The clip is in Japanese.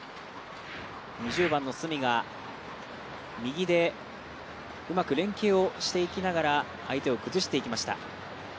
２０番の角が右でうまく連係をしていきながら相手を崩していきました。